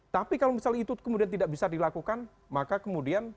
tapi kalau misalnya itu kemudian tidak bisa dilakukan maka kemudian